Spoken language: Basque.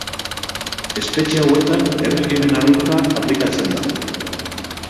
Espetxe hauetan erregimen arrunta aplikatzen da.